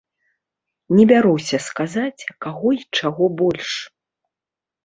Не бяруся сказаць, каго й чаго больш.